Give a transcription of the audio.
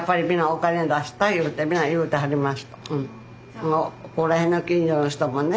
やっぱりここら辺の近所の人もね